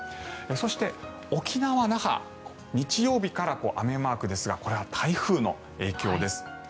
そして、沖縄・那覇日曜日から雨マークですがこれは台風の影響です。